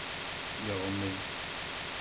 Yeɣmez.